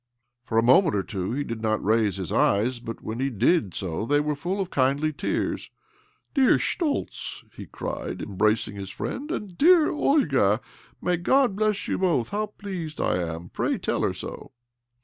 For a moment or two he did not raise his eyes ; but when he did so they were full of kindly tears. " Dear Schtoltz I " he cried, embracing his friend. " And dear Olga ! May God bless you both I How pleased I am ! Pray tell her so."